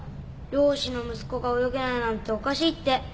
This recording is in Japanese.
漁師の息子が泳げないなんておかしいって。